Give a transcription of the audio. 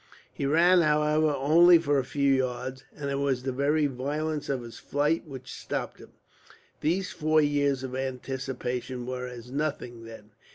He ran, however, only for a few yards, and it was the very violence of his flight which stopped him. These four years of anticipation were as nothing, then?